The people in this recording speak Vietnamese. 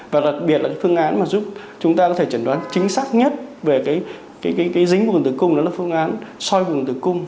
và đặc biệt là cái phương án mà giúp chúng ta có thể chẩn đoán chính xác nhất về cái dính vùng tử cung đó là phương án soi vùng tử cung